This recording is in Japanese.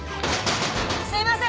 すいません！